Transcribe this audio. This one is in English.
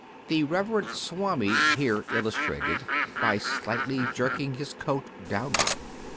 The " Reverend Swami " here illus trated, by slightly jerking his coat downward.